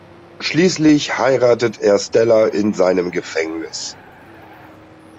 Schließlich heiratet er Stella in seinem Gefängnis.